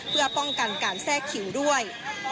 เพื่อป้องกันการแทรกคิวด้วย